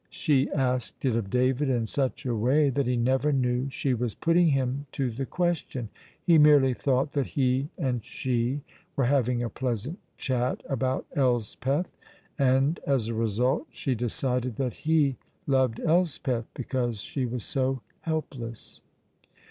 She asked it of David in such a way that he never knew she was putting him to the question. He merely thought that he and she were having a pleasant chat about Elspeth, and, as a result, she decided that he loved Elspeth because she was so helpless.